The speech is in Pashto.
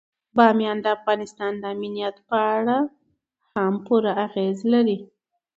بامیان د افغانستان د امنیت په اړه هم پوره اغېز لري.